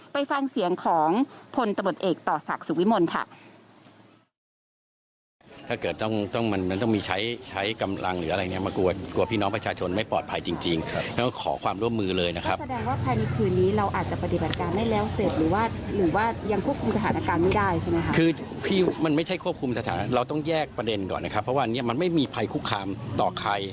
ไปฟังเสียงของพลตำรวจเอกต่อศักดิ์สุวิมลค่ะ